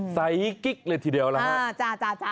ใสกิ๊กเลยทีเดียวนะฮะ